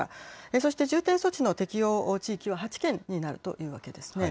そして重点措置の適用地域は８県になるというわけですね。